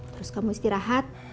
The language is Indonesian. terus kamu istirahat